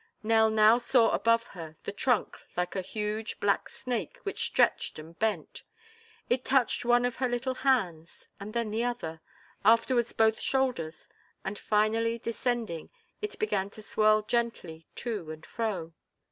Nell now saw above her the trunk like a huge black snake which stretched and bent; it touched one of her little hands and then the other; afterwards both shoulders and finally descending it began to swing gently to and fro.